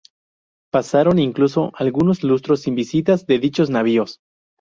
Pasaron incluso algunos lustros sin visitas de dichos navíos.